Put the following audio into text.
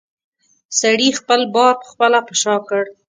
سړي خپل بار پخپله په شا کړ.